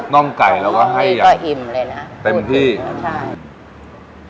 น่องไก่แล้วก็ให้อย่างก็อิ่มเลยนะฮะเต็มที่ใช่